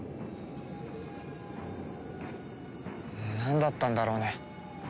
なんだったんだろうね？